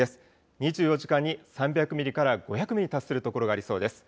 ２４時間に３００ミリから５００ミリに達する所がありそうです。